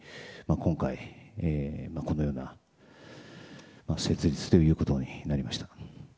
今回、このような設立ということになりました。